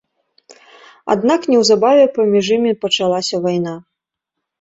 Аднак неўзабаве паміж імі пачалася вайна.